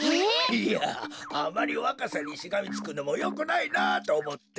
いやあまりわかさにしがみつくのもよくないなっとおもって。